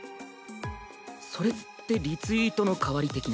それってリツイートの代わり的な？